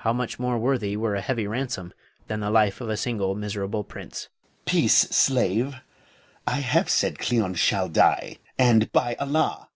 How much more worthy were a heavy ransom than the life of a single miserable prince. Moh'd. Peace, slave! I have said Cleon shall die, and, by Allah!